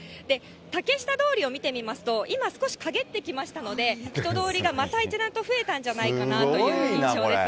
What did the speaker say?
竹下通りを見てみますと、今、少し陰ってきましたんで、人通りが一段と増えてきたんじゃないかなという印象です。